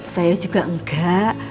saya juga enggak